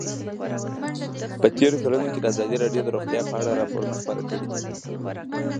په تېرو کلونو کې ازادي راډیو د روغتیا په اړه راپورونه خپاره کړي دي.